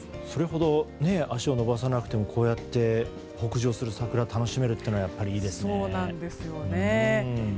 それほど足を延ばさなくてもこうやって北上する桜が楽しめるというのはやっぱりいいですね。